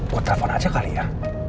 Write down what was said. buat telepon aja kali ya